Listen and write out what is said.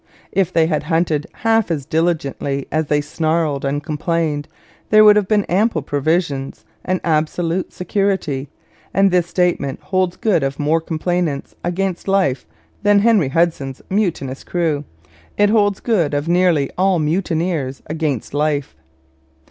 If they had hunted half as diligently as they snarled and complained, there would have been ample provisions and absolute security; and this statement holds good of more complainants against life than Henry Hudson's mutinous crew. It holds good of nearly all mutineers against life.